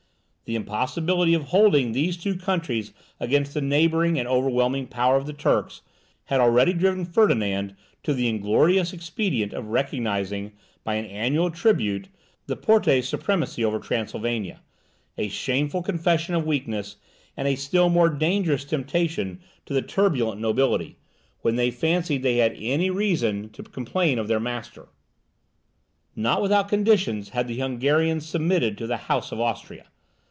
The impossibility of holding these two countries against the neighbouring and overwhelming power of the Turks, had already driven Ferdinand to the inglorious expedient of recognizing, by an annual tribute, the Porte's supremacy over Transylvania; a shameful confession of weakness, and a still more dangerous temptation to the turbulent nobility, when they fancied they had any reason to complain of their master. Not without conditions had the Hungarians submitted to the House of Austria.